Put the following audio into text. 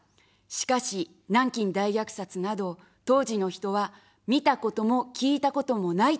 しかし、南京大虐殺など、当時の人は見たことも聞いたこともないと言っていたんです。